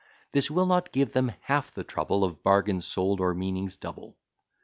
This will not give them half the trouble Of bargains sold, or meanings double.